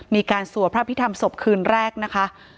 มีการสวดพระพิธามศพคืนแรกนะคะ